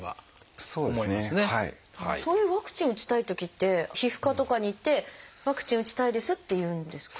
そういうワクチン打ちたいときって皮膚科とかに行って「ワクチン打ちたいです」って言うんですか？